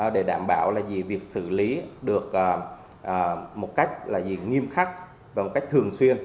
để đảm bảo là gì việc xử lý được một cách là gì nghiêm khắc và một cách thường xuyên